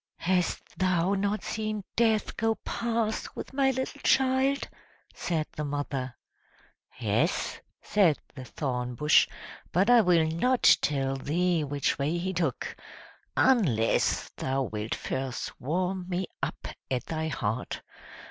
"Hast thou not seen Death go past with my little child?" said the mother. "Yes," said the thorn bush; "but I will not tell thee which way he took, unless thou wilt first warm me up at thy heart.